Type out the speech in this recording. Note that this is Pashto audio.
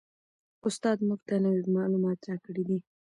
استاد موږ ته نوي معلومات راکړي دي.